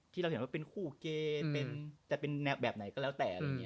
ที่เราเห็นว่าเป็นคู่เกย์เป็นแบบไหนก็แล้วแต่